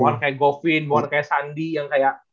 bukan kayak goffin bukan kayak sandi yang kayak